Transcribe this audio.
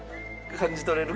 感じ取れる？